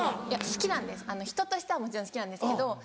好きなんです人としてはもちろん好きなんですけど。